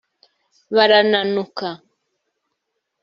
barananuka